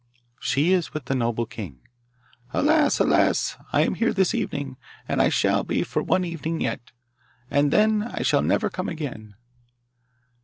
'She is with the noble king.' 'Alas! alas! I am here this evening, and shall be for one evening yet, and then I shall never come again.